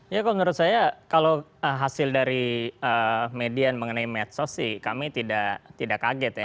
ya kalau menurut saya kalau hasil dari median mengenai medsos sih kami tidak kaget ya